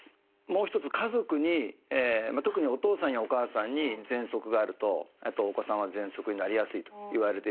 もう一つ家族に特にお父さんやお母さんにぜんそくがあるとお子さんはぜんそくになりやすいといわれているんですけども。